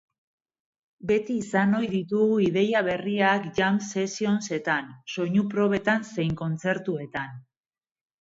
Beti izan ohi ditugu ideia berriak jam session-etan, soinu probetan zein kontzertuetan.